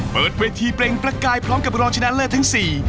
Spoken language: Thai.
เปิดเวทีเปล่งประกายพร้อมกับรองชนะเลิศทั้งสี่